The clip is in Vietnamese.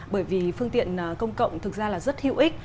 bởi vì phương tiện công cộng thực ra là rất hữu ích